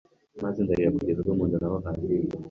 maze ndarira kugeza ubwo mu nda naho handiye